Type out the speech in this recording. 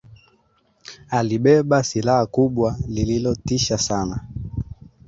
Alibeba silaha kubwa lililotisha sana.